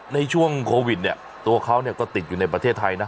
ในช่วงโควิดเนี่ยตัวเขาก็ติดอยู่ในประเทศไทยนะ